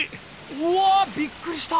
うわびっくりした！